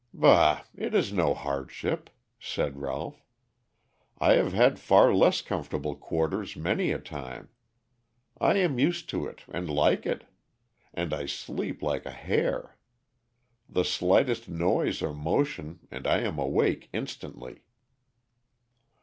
"Bah! it is no hardship," said Ralph. "I have had far less comfortable quarters many a time. I am used to it and like it. And I sleep like a hare. The slightest noise or motion and I am awake instantly."